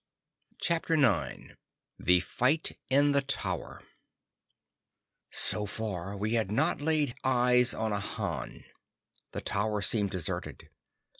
CHAPTER IX The Fight in the Tower So far we had not laid eyes on a Han. The tower seemed deserted.